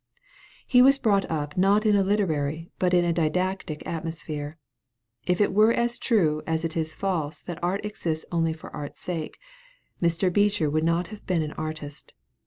He was brought up not in a literary, but in a didactic atmosphere. If it were as true as it is false that art exists only for art's sake, Mr. Beecher would not have been an artist.